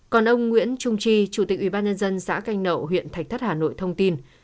còn ông nguyễn trung chi chủ tịch ubnd xã canh nậu huyện thạch thất hà nội thông tin